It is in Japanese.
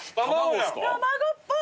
卵っぽい。